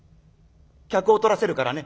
客を取らせるからね。